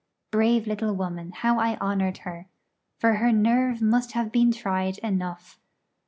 Brave little woman, how I honoured her! for her nerve must have been tried enough.